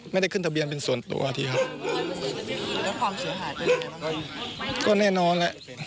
ไม่ได้ขึ้นทะเบียนเป็นส่วนตัวทีครับแล้วความเสียหายเป็นยังไงบ้างก็แน่นอนแหละ